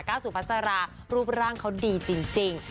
สุพัสรารูปร่างเขาดีจริง